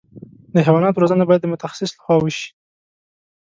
د حیواناتو روزنه باید د متخصص له خوا وشي.